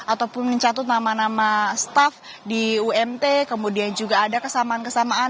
ataupun mencatut nama nama staff di umt kemudian juga ada kesamaan kesamaan